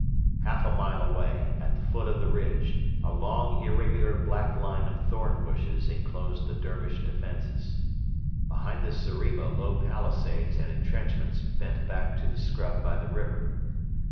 Half a mile away, at the foot of the ridge, a long irregular black line of thorn bushes enclosed the Dervish defences. Behind this zeriba low palisades and entrenchments bent back to the scrub by the river.